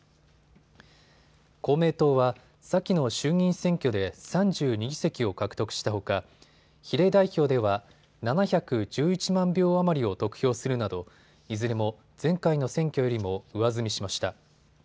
公明党は先の衆議院選挙で３２議席を獲得したほか比例代表では７１１万票余りを得票するなどいずれも前回の選挙よりも上積みしました。